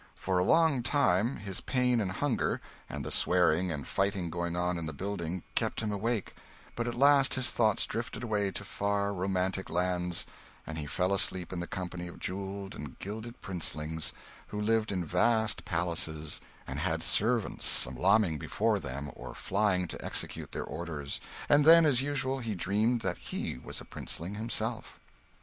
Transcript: For a long time his pain and hunger, and the swearing and fighting going on in the building, kept him awake; but at last his thoughts drifted away to far, romantic lands, and he fell asleep in the company of jewelled and gilded princelings who live in vast palaces, and had servants salaaming before them or flying to execute their orders. And then, as usual, he dreamed that he was a princeling himself.